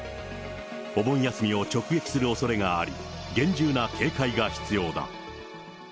お盆休みを直撃するおそれがあり、厳重な警戒が必要だ。